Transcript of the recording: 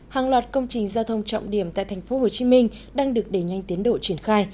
hàng loạt công trình giao thông trọng điểm tại tp hcm đang được đẩy nhanh tiến độ triển khai